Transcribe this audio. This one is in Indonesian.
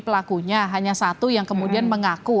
pelakunya hanya satu yang kemudian mengaku